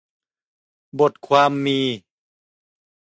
บทความมี